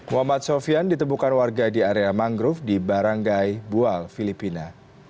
muhammad sofian ditemukan warga di area mangrove di baranggai bual filipina